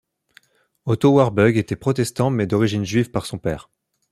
Otto Warburg était protestant mais d'origine juive par son père.